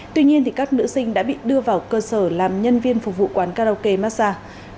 tuy nhiên các nữ sinh đã bị đưa vào cơ sở làm nhân viên phục vụ quán karaoke massage